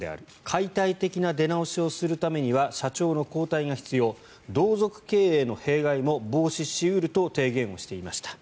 解体的な出直しをするためには社長の交代が必要同族経営の弊害も防止し得ると提言していました。